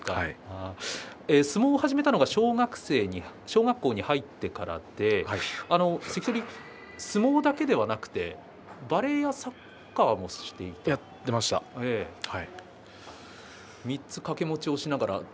相撲を始めたのが小学校に入ってからで関取は相撲だけではなくてバレーボールやサッカーもしていたと３つ掛け持ちをしながら。